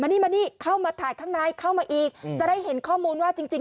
นี่มานี่เข้ามาถ่ายข้างในเข้ามาอีกจะได้เห็นข้อมูลว่าจริงจริง